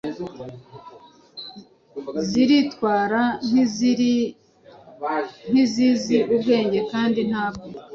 ziritwara nk’izizi ubwenge kandi ntabwo